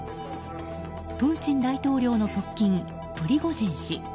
プーチン大統領の側近プリゴジン氏。